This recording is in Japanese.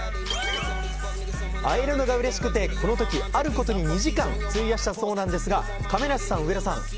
会えるのがうれしくてこの時、あることに２時間費やしたそうなんですが亀梨さん、上田さん